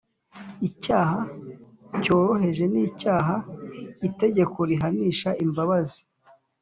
Icyaha cyoroheje ni icyaha itegeko rihanisha imbabazi